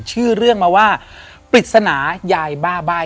ชื่อเรื่องมาว่าปริศนายายบ้าใบ้